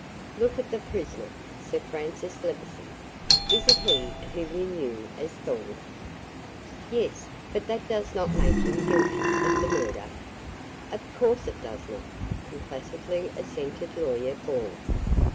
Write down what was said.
"Look at the prisoner, Sir Francis Levison. Is it he whom you knew as Thorn?" "Yes; but that does not make him guilty of the murder." "Of course it does not," complacently assented Lawyer Ball.